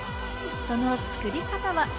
その作り方は。